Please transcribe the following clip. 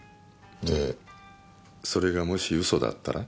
でそれがもし嘘だったら？